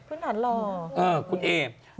คุณถัดหล่อคุณเอเนอะ